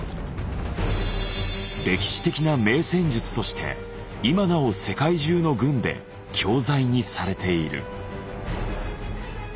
歴史的な名戦術として今なお世界中の軍で教材にされている。